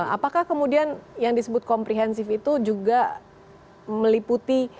apakah kemudian yang disebut komprehensif itu juga meliputi